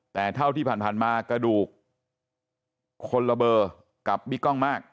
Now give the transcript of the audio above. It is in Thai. แต่เท่าที่ผ่านมากระดูกคนละเบอร์กับบิ๊กกล้องมาก